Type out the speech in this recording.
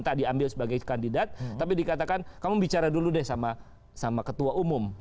tak diambil sebagai kandidat tapi dikatakan kamu bicara dulu deh sama ketua umum